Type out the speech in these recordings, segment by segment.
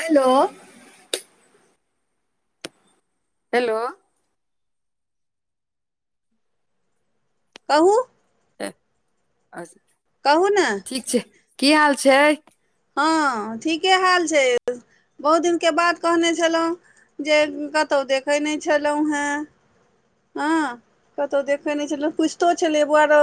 Hello hello. कहू। ए अस कहू नए। ठीक छै, की हाल छै। हँ, ठीके हाल छै। बहुत दिनके बाद कहने छलहुँ, जे कतहु देखैय नहि छलहुँ हेँ। हँ कतहु देखै नहि छलौ, पुछितो छलै बोआरो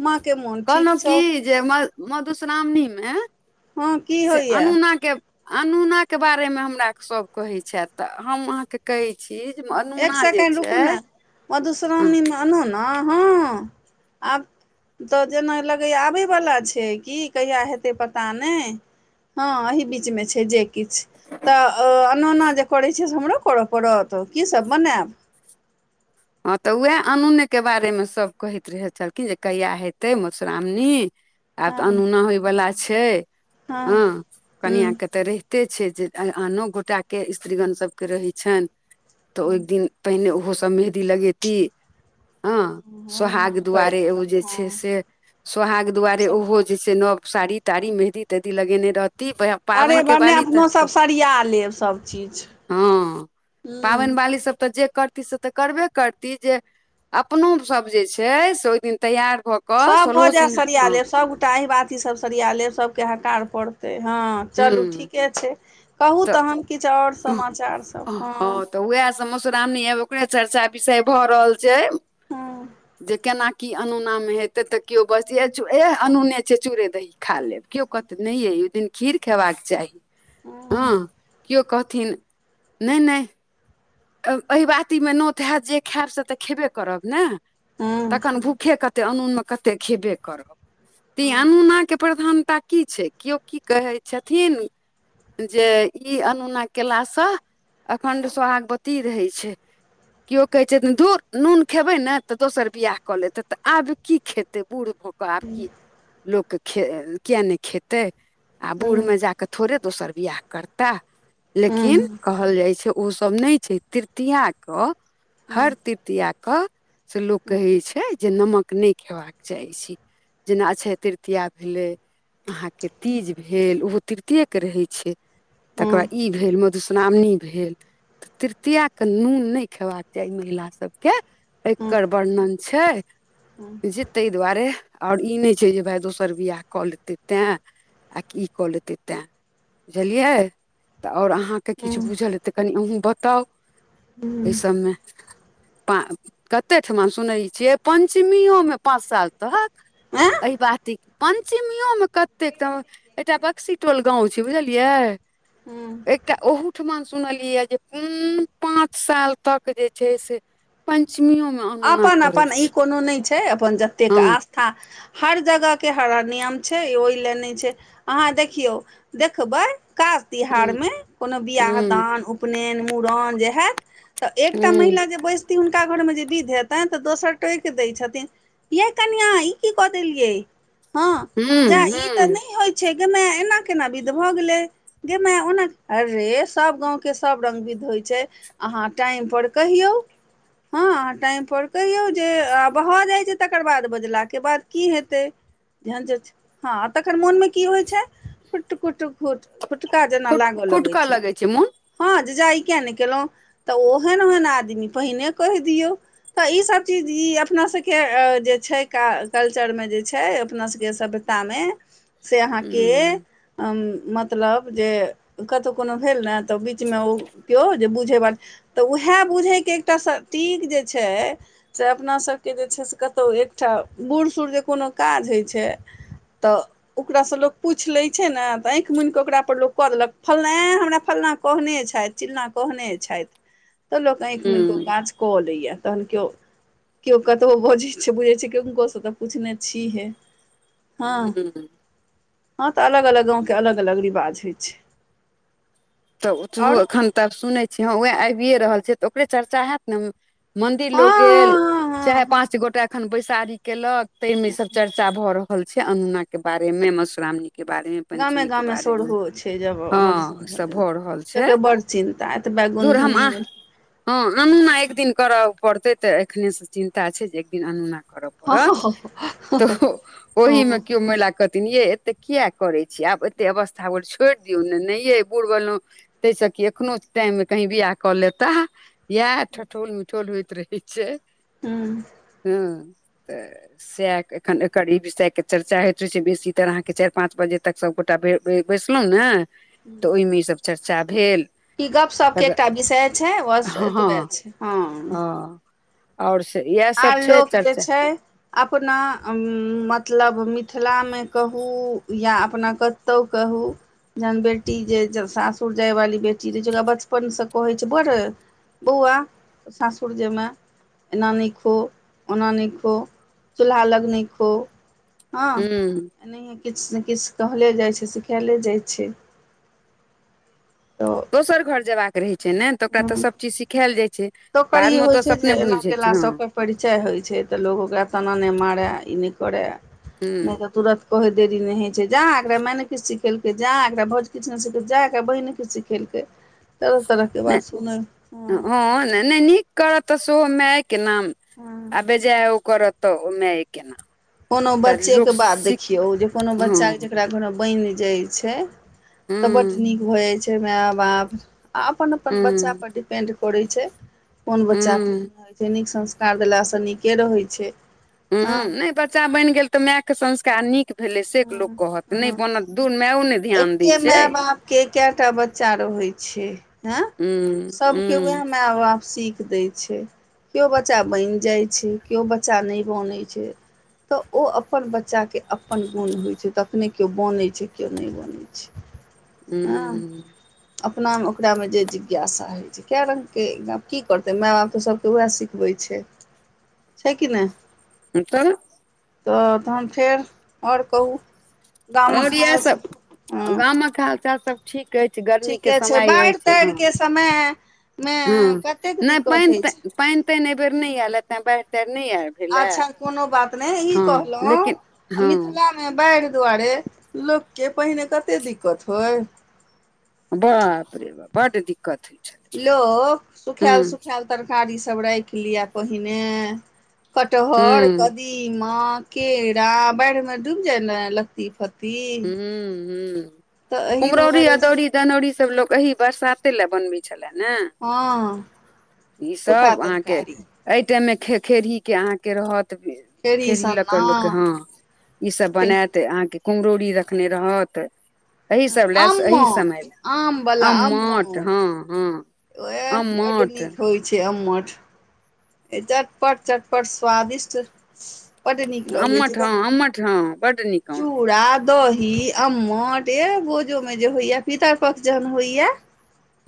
माँ के मोन कहलहुँ की, जे म मधुश्रावणी मे हँ की से होइए अनुना के अनुना के बारे मे हमरा सभ कहै छथि तऽ हम अहाँ के कहै छी एक अनुना जे सेकेण्ड छै, हँ अनुना हँ आब तऽ जेना लगैए आबयवला छै कि, कहिया हेतै पता नहि। हँ एही बीच में छै जे किछ तऽ अ अनुना जे करैय छीयै से हमरो करऽ पड़त, कीसब बनायब। हॉं तऽ उएह अनूने के बारेमे सभ कहैत रहै छल, कि जे कहिआ हेतै मधुश्रावणी। आब तऽ हँ अनुना होय वाला छैय, हँ हऽ कनिया के हूँ त रैह ते छै जे आनो गोटा के स्त्रीगण सबके रहै छनि, तऽ ओहि दिन पहिने ओहो सब मेहदी लगेती। ऑ, ओने सोहाग मोन पारि दुआरे देलहुँ ओ जे छै हँ से सोहाग दुआरे सब ओहो जैसे नव साड़ी- ताड़ी, मेहदी- तेहदी लगेने रहती, वएह अरे पाबनि के भने बाली तऽ, अपनो छै, सब सरिया लेब सब चीज हँ हूँ पाबनि बाली सब तऽ जे करती से तऽ करबे करती, जे अपनो सब जे छै, से ओहि दिन तैयार भऽ, कऽ सभ भऽ सोलहो जाय सिंह सरिया हँ लेब, सभगोटा अहि बाति ईसभ सरिया लेब, सभके हकार पड़तै, हँ चलू हूँ ठीके छै, कहू तऽ तहन, किछु आओर समाचार सभ हँ, त मश्रावणी एल, ओकरे चर्चा विषय भऽ रहल छै, हँ जे केना की अनुना मे हेतै तऽ, केयो बस ए चु, ए अनुने छै, चूड़े दही खा लेब, केओ कहते नहि यइ ओहि दिन खीर खेबाक चाही, हँ, किओ कहथिन, नहि -नहि ए एहिबाती मे नोत हयत, जे खायब से तऽ खेबे करब ने, हँ हँ तखन भूखे क ते अनून मे कते खेबे करब, ती हँ अनूना के प्रधानता की छै, केओ की कहै छथिन जे ई अनुना केला सँ, अखंड सोहाग बत ती रहै छै, किओ कहै छैथीन धूर नून खेबै ने‌ त दोसर बियाह कऽ लेतै तऽ आब की खेतै बूढ़ भऽ क आब कि लोक खे- किया ने खेतै, आ हँ बूढ़ हँ मे जा के थोड़े दोसर बियाह करताह, हँ लेकिन हँ कहल जाय छै, ओ सब नै छै, तृतीया कऽ हर तृतीया कऽ से लोक कहै छै, जे नमक नै खएबाक चाही छै। जेना अक्षय तृतीया भेलै, अहां के तीज भेल, ओहो तृतीये के रहै छै। तकर हँ बा ई भेल, मधुश्रावणी भेल, तृतीया क नून नै खेबाक चाही महिला सबके। हँ हँ हँ हँ हँ एकर वर्णन छै, जे तै दुआरे ह और ई नहि छै जे भाय दोसर बियाह कऽ लेतै तेंए। आ की कऽ लेतै तें बुझलियै त और अहाँ के हँ किछ बुझल अइ तऽ कनि अहूँ बताउ, एहि सबमे। पा, कते ठुमा सुनै छियै, पंचमीयो मे पाँच साल तक हँ अहिबाती पंचमियो मे कतेक तऽ एकटा बक्सीटोल गाँव छै, बुझलियै। हूँ,। एकटा ओहूठुमा सुनलियै जे उं पाँच साल तक जे छै से पंचमियो मे अनोना अपन करै अपन ई छै। कोनो नै छै अपन जतेक हँ आस था हर जगह के हर- हर नियम छै, ओहि ले नै छै, अहाँ देखियौ देखबै काज हूँ तिहारमे कोनो बियाह हूँ दान, उपनयन, मूड़न जे हेएत तऽ एकटा हूँ महिला जे बैसती हुनका घरमे जे विध हेतनि तऽ दोसर टोइक दै छथिन यइ कनियां ई की कऽ देलियै। हँ, जा हूँ इ तऽ हूँ नै होइ छै गै मेए एना केना विध भऽ गेलै। गै मेए ओना, अरे सब गाँंव के सब रंग विध होइ छै। अहाँ टाइम पर कहियौ हँ अह टाइम पर कहियौ जे आ भऽ जाइ छै तकर बाद बजला के बाद की हेतै। ध्यान जाइ छै, हँ तखैन मोन मे की होइ छै खुट- खुट - खुट। खुटका जेना खुट लागऽ लगै खुटकऽ छै। मोन हँ, जे जा इ किया ने केलहुँ, तऽ ओहेन-ओहेन आदमी पहिने कहि दियौ। तऽ इ सब चीज इ अपना सबके जे छै का कल्चरमे जे छै, अपना सबके सभ्य ता मे, से अहाँके हूँ मतलब जे कतौ कोनो भेल ने तऽ बीच मे ओ केयो जे बुझय बाली तऽ उहेए बुझय के एकटा सटीक जे छै से अपना सबके जे छै से कतहु एकटा बूढ़- सूढ़ जे कोनो काज हइ छै तऽ ओकरा सँ लोक पूछि लै छै ने त आँइख मुनि कऽ ओकरा पर लोक कऽ लेलक फल्लाँँ एं हमरा फल्लाँ कहने छैथ। चिल्लां कहने छैथ। तऽ लोक ऑंइख मुनि के ओ हूँ काज कऽ लैये। तहन कियो केयो कतबो बजै छै बुझै छियै कि किनको से तऽ पूछने छीहे। हँ हूँ हँ तऽ अलग- अलग गाँव के अलग -अलग रिवाज होइ छै। तऽ तू आओर एखन तब सुनै छी हँ वेएह आबिए रहल छै तऽ ओकरे चर्चा हैत ने। मंदिर हँ लोक गेल हँ हँ हँ चाहे हँ पाँच गोटा एखन बैसारी केलक तै मे ई सब चर्चा भऽ रहल छै अनूना के बारे मे मधुश्रामणी के बारे मे, गामे पंचमी के गामे बारे मे, सोरहो छै जब हां त मधुश्रावणी भऽ रहल छै लोकके बड़ चिन्ता एतबे धुर हम गुनधुनी आ हां अनुना एक दिन करय पड़तै तै ऐखने से चिन्ता छै जे एक दिन अनुना करा पड़त तऽ हँ ओहि मे कियो महिला कह थिन यै एते किया करय छी, आब एते अवस्था होल छोड़ दियौ नै नै यै बुढ़ भेलौ तै से कि एखनो टाइम मे कहीँ बियाह कऽ लेताह यैह ठठोल मिठोल होएत रहै छै हँ हां तऽ सैह एखन एकर ई विषय के चर्चा हैत रहय छै बेसी तर अहाँ के चाएर पांच बजे तक सब गोटा बे बै बैसलौ नै तऽ ओय मे ई सब चर्चा भेल। ई गप्प-सप्प के तकर एकटा विषय छै, बस हँ हँ एतबे छै, हां। और से यैह आर लोक जे छै? अपना उम्म मतलब मिथिला मे कहू या अपना क तौ कहू जहन बेटी जे जब सासुर जायवाली बेटी रहै छै ओकरा बचपन से कहै छै बड़ बौआ सासुर जेमे एना नै खो, ओना नै खो, चूल्हा लग नै खो, हां हूँ एनाहिए किछ से किछ कहले जाए छै, सिखैले जाए छै। तऽ दोसर घर जेबाक के रहे छै नै तऽ ओकरा तऽ सब चीज सिखाएल जाए छै। तऽ ओकर ई बादमे ओ होय तऽ छै अपने जे एना बुझि जाइ केला छै हँ से ओकर परिचय होय छै तऽ लोक ओकरा तना नै मारै ई नै करै नै हूँ तऽ तुरन्त कहैत देरी नै हय छै जा एकरा माय नै किछ सिखेलकै जा एकरा भोज किछ नै सिखेलकै जा एकरा बहिन नै किछ सिखेलकै। तरह तरहके नै बात सुनै हँ हां नै नीक करत तऽ सेहो मायके नाम हँ आ बेजायो करा तऽ ओ मायके नाम कोनो तऽ लोक बच्चेके बात सीख देखियौ जे कोनो हँ बच्चा के जकरा घर में बैन जाए छै। तऽ बड हूँ नीक भै जाए छै माए-बाप आ अपन-अपन बच्चा हूँ पर डिपेंड पड़ै छै कोन बच्चा हूँ केहेन रहे छै, नीक संस्कार देला से नीके रहै छै। हुं हँ नै बच्चा बैन गेल तऽ मायके संस्कार नीक भेले से लोक हँ कहत नै हँ बनत धुर मेयो नै ध् एके माय-बाप के केटा बच्चा रहै छै हें हूँ सबके वैह हूँ माय-बाप सीख दै छै कियो बच्चा बैन जाए छै, कियो बच्चा नै बनै छै। तऽ ओ अपन बच्चा के अपन गुण होय छै तखने कियो बनय छै, कियो नै बनै छै, हां हूँ अपना मे ओकरा मे जे जिज्ञासा होय कै रंग के आब की करतै माय बाप तऽ सबके उहै सिखबै छै। छै कि नै हां त तऽ तहन फेर और कहू गामक आओर इएह हाल स सभ गामक हाल-चाल सब ठीक ऐछ, गर्मी के ठीके छै समय बाढ़ि ऐछ, ताढ़ि हां। के समय मे हां कतेक नै दिक्कत पैन होइ छै तैन पैन तैन ए बेर नै ऐल यै तै बाएढ़ ताएर नै ऐल अच्छा कोनो बात नै ई लेकिन कहलौ हँ मिथिला मे बाएढ़ दुआरे लोक के पहिने कते दिक्कत होय। बाप रे बाप बड दिक्कत होइ छलै लोक सुखैल हूँ सुखैल तरकारीसब राखि लिअ पहिने। कटहर हूँ कदीमा केरा बाढ़ि मे डूब जाय ने। लत्ती फत्ति हूँ हूँ तऽ एहि कुम्हरौरी दुआरे अदौरी दनौरी सब लोक एही बरसाते ले बनबे छले ने। हँ। ई सूखा सब अहाँके तरकारी एहि टाइम मे खे खेरही के अहाँके रहत। खेरही खेड़ी लऽ कऽ सन्ना लोकके हँ ईसभ बनायत अहाँके कुम्हरौरी रखने रहत। अही सभ लए अही समय आममठ ला आमवला अम्मट हँ आममठ हँ। ओएह बड्ड आम्मट। नीक होइ छै अम्मट चटपट चटपट स्वादिष्ट बड नीक लोगे छै। अम्मट हँ [unintelligible] अम्मट हँ बड नीक चु हँ चुड़ा दही अम्मट एह बोझो में जे होइया पितर पक्ष जहन होइया।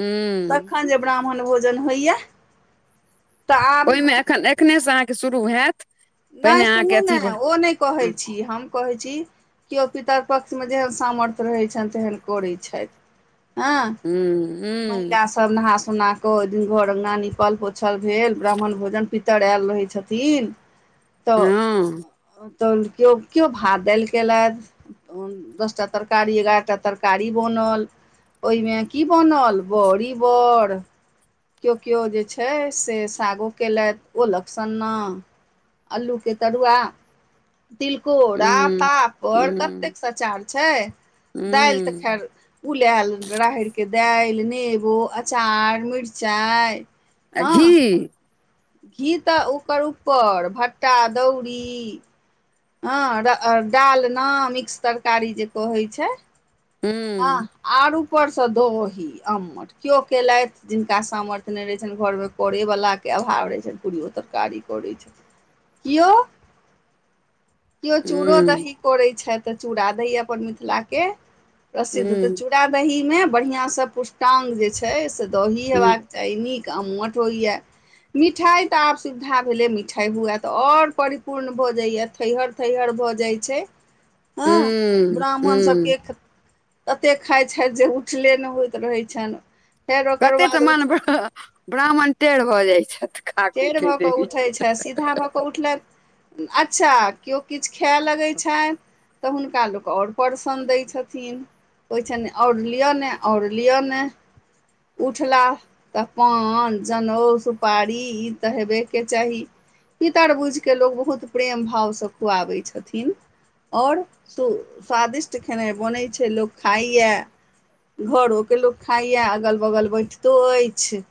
हूँ तखन जे ब्राह्मण भोजन होइया। तऽ ओहिमे आब एखन एखनेसँ अहाँके शुरू हैत। नहि पहिने अहाँके सुनू ने अथी भ ओ नहि हूँ कहैत छी हम कहैत छी केओ पितर पक्ष मे जेहन सामर्थ्य रहै छनि तेहन करै छथि। ने, हूँ महिला स सब नहा सुोन कऽ ओहि दिन घर अंगना निपल पोछल गे ल ब्राह्मण भोजन पितर ऐल रहै छथिन। हुं। तो केओ कओ भात देल केलथ। दसटा तरकारी एगारह टा तरकारी बनल ओहिमे की बनल बॅड़ी बॅड़। केओ केओ जे छै से सागो केलथि ओलक सन्ना अलूके तरुआ तिलकोरा हूँ पापड़ कतेक हूँ संचार छै दालि तऽ हूँ खैर उलैल राहरिके दालि नेबो अचार मिरचाइ। आ घी। हँ घी तऽ ओकर ऊपर भट्टा अदौरी हँ डालना मिक्स तरकारी जे कहैत छै। आ हूँ आर ऊपरस दही अम्मट। केओ केलथि जिनका सामर्थ्य नहि रहैत छनि घरमे करे वला के अभाव रहैत छनि पूरियो तरकारी। करैय छैथ, किया किओ चूड़ो हूँ दही करैत छथि तऽ चूड़ा दही अपन मिथिलाके प्रसिद्ध ह तऽ हूँ चूड़ा दहीमे बढ़िआँस पुष्टाङ्ग जे छै से दही हेबा हूँ क चाही नीक अम्मट होइया। मिठाई तऽ आब सुविधा भेले मिठाई हुए तऽ ओर परिपूर्ण भऽ जाइया थैहर थैहर भऽ जाइ छै। हँ हूँ ब्राह्मण हूँ सबके तते खाइत छथि जे उठले ने होइत रहैत छनि। फेर ओकर कतेऽ बाद उठ ठमन ब्राह्मण टेढ़ भऽ जाइत छथि। खाक टेढ़ उठे भऽ कऽ देरी उठै छै सीधा भऽ कऽ उठलैठ अच्छा केओ किछु खा लगय छनि। तऽ हुनका लोक और प्रशन दै छथिन। होइ छनि ने और लिय ने और लिय ने। उठलाह, तऽ पान जनउ सुपारी री तऽ हेबे के चाही। पितर बुझि कऽ लोक बहुत प्रेम भावसँ खुआबै छथिन। और सु स्वादिष्ट खेनाइ बनै छै लोक खाइऐ। घरो के लोक खाइया, अगल- बगल बेंटतो अछि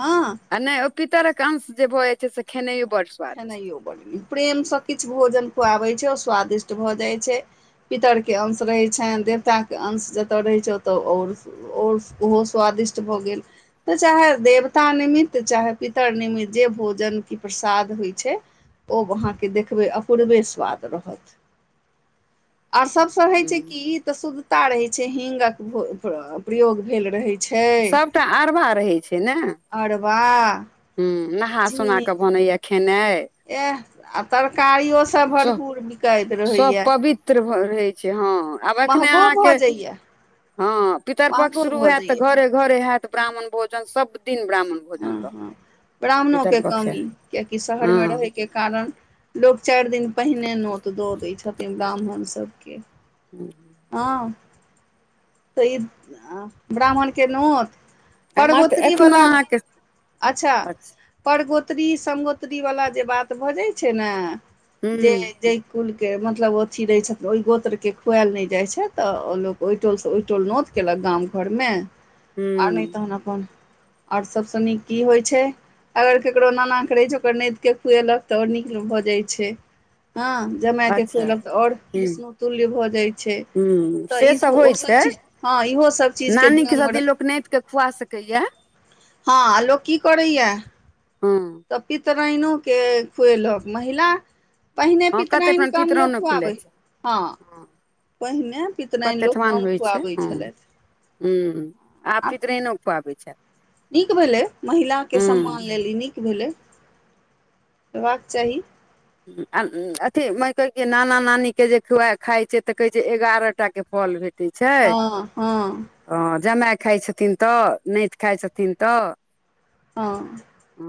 हँ आ नहि, ओ पितरक अंश जे भऽ जाय छै से खेनाइयो बड खेनाइयो बड़ नीक, प्रेमसँ किछु भोजन खुआबै छै ओ स्वादिष्ट भऽ जाइ छै। पितर के अंश रहय छनि, देवता के अंश जत रहे छै ओत और सु और ओहो स्वादिष्ट भऽ गेल। तऽ चाहे देवता निमित्त, चाहे पितर निमित्त, जे भोजन की प्रसाद होइ छय, ओ अहाँके देखबय अपूर्वे स्वाद रहत। और सबस होय छै की त, शुद्धता रहे छै हींग के प्रयोग भेल रहे छै। सभटा अरभा रहै छै ने। अरबाऽ हुंउ नहा सुना कऽ बनैया खेनाय। ऐहऽ आब तरकारियो सऽ सभ पवित्र भ रहै छै हँ आब एखने महगो अहाँके भऽ जाइए हँ, पितर पक्ष महगो शुरू भऽ हेतऽ त जाइए घरे -घरे हेत ब्राह्मण भोजन सभ दिन ब्राह्मण भोजन रहत हँऽ ब्राह्मणों पितर के पक्ष कमी कियेकि शहर में हँ रहय के कारण लोक चारि दिन पहिने, नोत दऽ दै छथिन ब्राह्मण सभके हूँऽ हँ तऽ ई ब्राह्मण के नोत आ मात्र एखनो परगौत्रीबला अहाँके अच्छा परगोत्री समगोत्री बला जे बात भऽजै छै ने हू जे जय कुल के मतलब ओथी रहय छैथिन, ओहि गोत्र के खुयेल नहि जाइ छै, तऽ लोक ओहि टोल स ओहि टोल नोत केलक गाम घर में हू आर नहि तहन अपन, आर सभस नीक की होइ छै अगर ककरो नानाके रहै छै, ओकर नतिके खुएलक, तऽ और नीक भऽ जाइ छै हँ। जमे के अच्छा खुएलक तऽ और हू विष्णुतुल्य भ जाइ छै। हू तऽ से ई सभ होइ ओसभ छै चीज, हँ इहो सभ चीज के नानी ध्यान में सती रख लोक नाइत के खुआ सकये। हँ, आ लोक की करये हँ त पितर राइनोके खुएलक महिला पहिने हँ कते पितराइनक ठमन कम लोक पितरानो खुलै खुआबै, छै हँऽ। हँ पहिने पितराइन लोक कम खुआबै छलथि। हुं, आब पितिराइन खुआबय छथि। नीक भेलै महिला के सम्मान लेल ई नीक भेलै, हेबाक चाही। आ अथी मय कहय की, नाना -नानी के जे खुआ खाय छै, तऽ कहै छै एगारहटा के फल भेत अथी छै, हँ हँ हंऽ जमे खाय छथिन तऽ, नाति खाइ छथिन तऽ हँऽ हँ